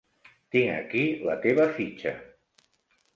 Tinc aquí la teva fitxa.